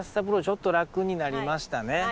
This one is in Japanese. プロちょっと楽になりましたね。